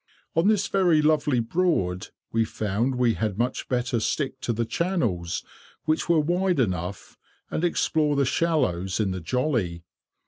On this very lovely Broad, we found we had much better stick to the channels, which were wide enough, and explore the shallows in the jolly.